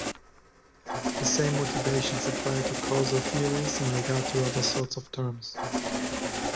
The same motivations apply to causal theories in regard to other sorts of terms.